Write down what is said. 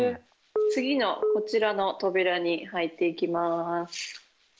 次のこちらの扉に入って行きます。